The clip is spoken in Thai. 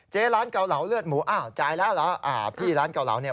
ร้านเกาเหลาเลือดหมูอ้าวจ่ายแล้วเหรออ่าพี่ร้านเกาเหลาเนี่ย